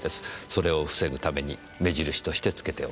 それを防ぐために目印として付けておく。